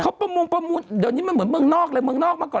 เขาประมงประมูลเดี๋ยวนี้มันเหมือนเมืองนอกเลยเมืองนอกมาก่อน